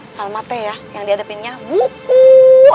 salma teh ya yang diadepinnya bukuuuu